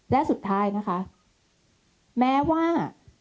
และสุดท้ายนะคะแม้ว่า